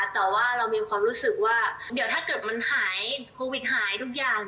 แต่ว่าเรามีความรู้สึกว่าเดี๋ยวถ้าเกิดมันหายโควิดหายทุกอย่าง